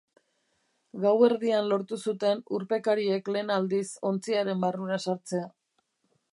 Gauerdian lortu zuten urpekariek lehen aldiz ontziaren barrura sartzea.